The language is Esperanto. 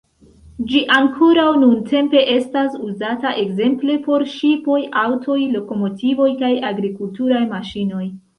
Ĝi ankoraŭ nuntempe estas uzata ekzemple por ŝipoj, aŭtoj, lokomotivoj kaj agrikulturaj maŝinoj.